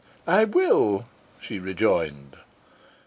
"I will I will," she rejoined.